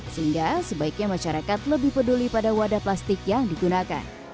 sehingga sebaiknya masyarakat lebih peduli pada wadah plastik yang digunakan